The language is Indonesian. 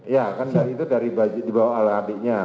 ya kan dari itu dibawa oleh adiknya